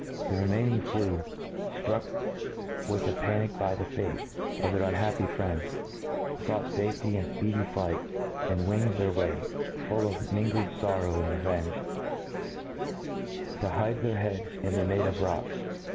The remaining few, ftruck with a panic by the fate of their ^ unhappy friends, fought lafety in ^edy flight, and winged their W?iy, full of mingled forrow and revenge, to hide their heads in their native rocks.